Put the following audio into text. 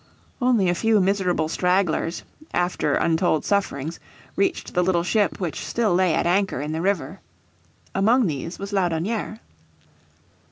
Only a few miserable stragglers, after untold sufferings, reached the little ship which still lay at anchor in the river. Among these was Laudonnière.